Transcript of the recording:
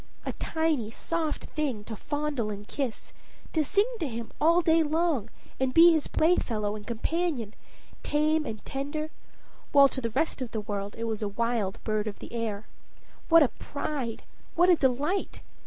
A tiny, soft thing to fondle and kiss, to sing to him all day long, and be his playfellow and companion, tame and tender, while to the rest of the world it was a wild bird of the air. What a pride, what a delight!